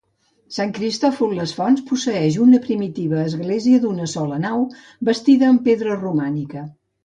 Sant Cristòfol les Fonts posseeix una primitiva església d'una sola nau bastida amb pedra romànica.